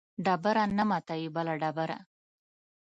ډبره نه ماتوي بله ډبره